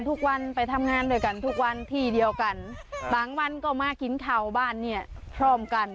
ทุกวันไปทำงานด้วยกันทุกวันที่เดียวกันบางวันก็มากินเข่าบ้านเนี่ยพร้อมกัน